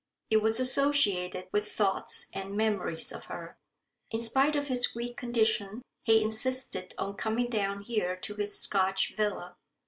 It was associated with thoughts and memories of her. In spite of his weak condition, he insisted on coming down here to his Scotch villa.